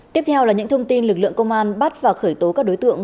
tiếp theo là những thông tin lực lượng công an bắt và khởi tố các đối tượng